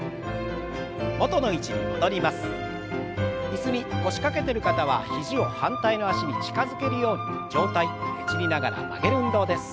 椅子に腰掛けてる方は肘を反対の脚に近づけるように上体ねじりながら曲げる運動です。